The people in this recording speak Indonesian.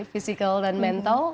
physical dan mental